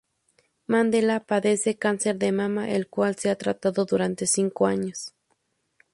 Mandela padece cáncer de mama el cual se ha tratado durante cinco años.